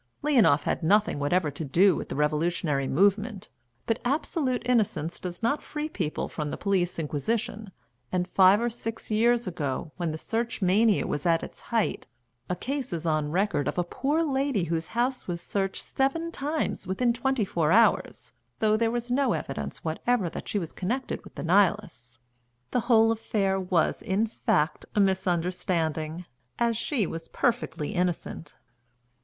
Leonoff had nothing whatever to do with the Revolutionary movement, but absolute innocence does not free people from the police inquisition, and five or six years ago, when the Search mania was at its height, a case is on record of a poor lady whose house was searched seven times within twenty four hours, though there was no evidence whatever that she was connected with the Nihilists; the whole affair was, in fact, a misunderstanding, as she was perfectly innocent.